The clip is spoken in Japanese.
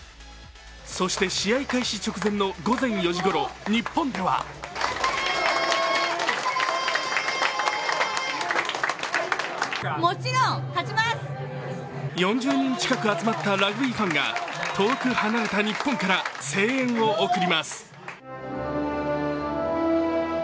そして試合開始直前の午前４時ごろ、日本では４０人近く集まったラグビーファンが遠く離れた日本から声援を送ります。